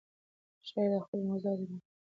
شاعر د خپلو موضوعاتو انتخاب کوي.